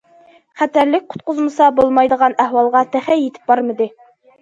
خەتەرلىك، قۇتقۇزمىسا بولمايدىغان ئەھۋالغا تېخى يېتىپ بارمىدى.